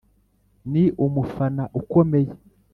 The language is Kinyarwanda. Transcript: ni umufana ukomeye